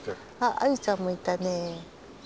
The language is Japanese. アユちゃんもいたね。